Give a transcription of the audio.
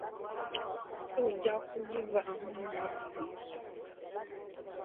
Ojja kugivaamu mu mwaka ogusooka.